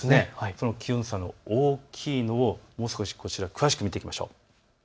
その気温差、こちらでもう少し詳しく見ていきましょう。